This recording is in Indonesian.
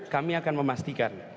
kami akan memastikan